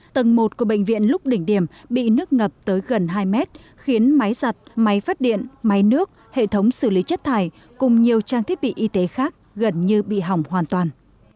tầng một của bệnh viện lúc đỉnh điểm bị nước ngập tới gần hai mét khiến máy giặt máy phát điện máy nước hệ thống xử lý chất thải cùng nhiều trang thiết bị y tế khác gần như bị hỏng hoàn toàn